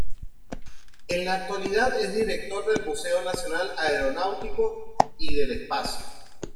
En la actualidad es Director del Museo Nacional Aeronáutico y del Espacio.